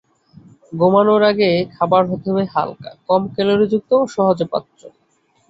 ঘুমানোর আগে খাবার হতে হবে হালকা, কম ক্যালরিযুক্ত ও সহজ পাচ্য।